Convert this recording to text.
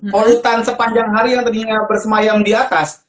kalau hutan sepanjang hari yang ternyata bersemayam di atas